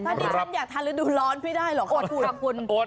ตอนนี้ฉันอยากทานฤดูร้อนไม่ได้หรอกโอดค่ะคุณ